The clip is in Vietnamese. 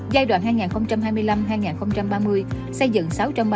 giai đoạn hai nghìn hai mươi năm hai nghìn ba mươi xây dựng